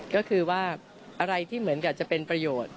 ก็คือว่าอะไรที่เหมือนกับจะเป็นประโยชน์